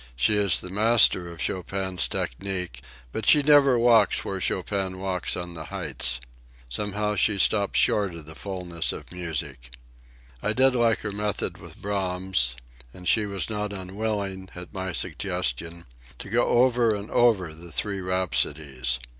She is the master of Chopin's technique, but she never walks where Chopin walks on the heights. Somehow, she stops short of the fulness of music. I did like her method with Brahms, and she was not unwilling, at my suggestion, to go over and over the Three Rhapsodies.